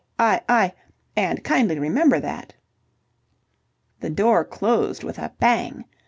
I... and kindly remember that!" The door closed with a bang.